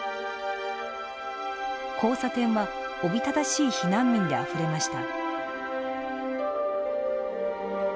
交差点はおびただしい避難民であふれました。